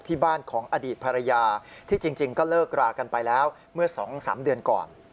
ที่บ้านของอดีตภรรยาที่จริงก็เลิกรากันไปแล้วเมื่อ๒๓เดือนก่อน